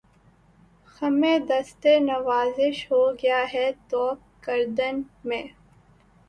خمِ دستِ نوازش ہو گیا ہے طوق گردن میں